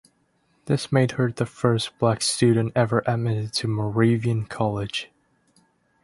This made her the first black student ever admitted to Moravian College.